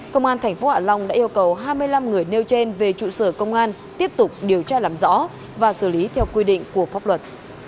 công an tp hạ long đã yêu cầu hai mươi năm người nêu trên về trụ sở công an tiếp tục điều tra làm rõ và xử lý theo quy định của pháp luật